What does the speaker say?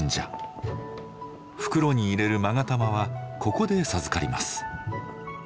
袋に入れる勾玉はここで授かります。